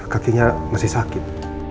kakinya masih sakit